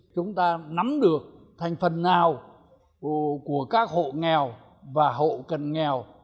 chúng ta nắm được thành phần nào của các hộ nghèo và hộ cần nghèo